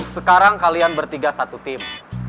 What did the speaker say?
sekarang kalian bertiga satu tim